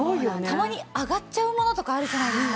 たまに上がっちゃうものとかあるじゃないですか。